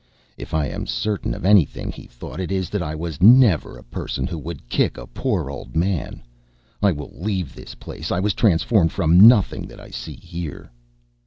"If I am certain of any thing," he thought, "it is that I was never a person who would kick a poor old man. I will leave this place. I was transformed from nothing that I see here."